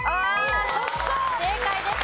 正解です。